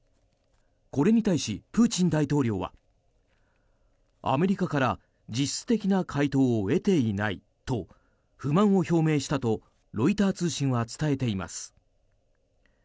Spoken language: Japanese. これに対し、プーチン大統領はアメリカから実質的な回答を得ていないと不満を表明したとロイター通信は伝えています。